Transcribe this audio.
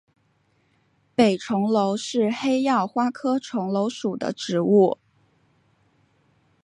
北重楼是黑药花科重楼属的植物。